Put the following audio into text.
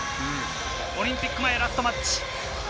オリンピック前ラストマッチ。